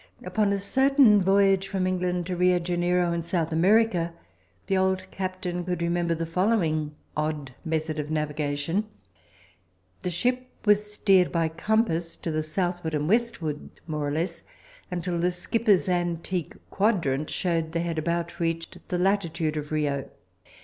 Upon a certain voyage from England to Rio Janeiro, in South America, the old captain could remember the following odd method of navigation: The ship was steered by compass to the southward and westward, more or less, until the skipper's antique quadrant showed that they had about reached the latitude of Rio.